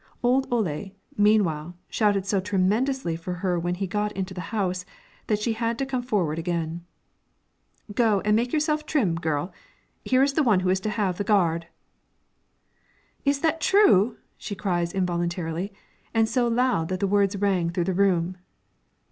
Old Ole, meanwhile, shouted so tremendously for her when he got into the house that she had to come forward again. "Go and make yourself trim, girl; here is the one who is to have the gard!" "Is that true?" she cries, involuntarily, and so loud that the words rang through the room.